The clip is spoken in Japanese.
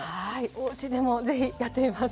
おうちでも是非やってみます。